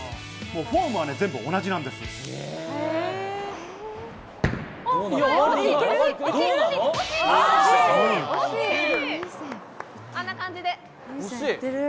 フォームは全部同じなんで惜しい！